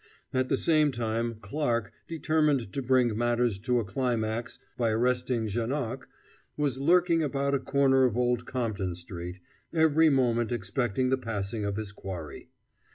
At the same time Clarke, determined to bring matters to a climax by arresting Janoc, was lurking about a corner of Old Compton Street, every moment expecting the passing of his quarry.